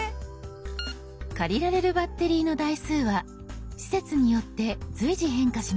借りられるバッテリーの台数は施設によって随時変化します。